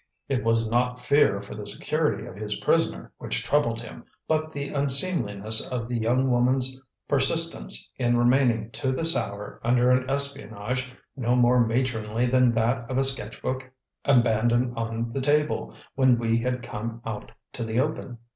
It was not fear for the security of his prisoner which troubled him, but the unseemliness of the young woman's persistence in remaining to this hour under an espionage no more matronly than that of a sketch book abandoned on the table when we had come out to the open.